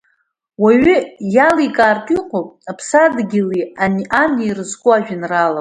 Уаҩы иаликаартә иҟоуп аԥсадгьыли ани ирызку ажәеинраалақәа.